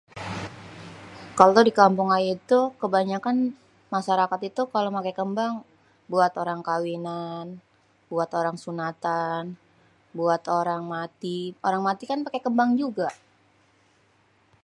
kalo di kampung ayé tuh kebanyakan masyarakat ituh kalo maké kémbang, buat orang kawinan, buat orang sunatan, buat orang mati, orang mati kan paké kémbang juga.